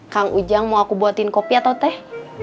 kang ujang mau aku buatin kopi atau teh